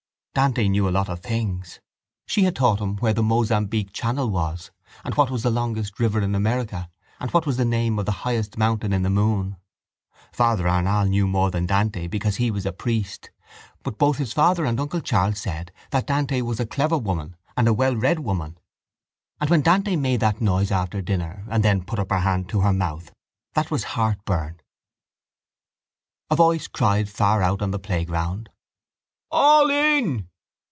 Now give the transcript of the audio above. Dante knew a lot of things. She had taught him where the Mozambique Channel was and what was the longest river in America and what was the name of the highest mountain in the moon. Father Arnall knew more than Dante because he was a priest but both his father and uncle Charles said that Dante was a clever woman and a wellread woman. And when Dante made that noise after dinner and then put up her hand to her mouth: that was heartburn. A voice cried far out on the playground: —All in!